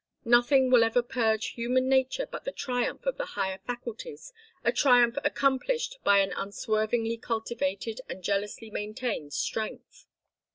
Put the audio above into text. Nothing will ever purge human nature but the triumph of the higher faculties, a triumph accomplished by an unswervingly cultivated and jealously maintained strength."